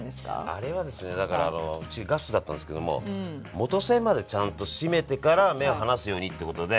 あれはですねだからうちガスだったんですけども元栓までちゃんと閉めてから目を離すようにってことで。